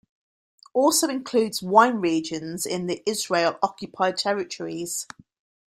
Also includes wine regions in Israeli-occupied territories.